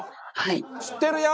知ってるよ！